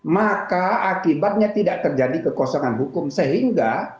maka akibatnya tidak terjadi kekosongan hukum sehingga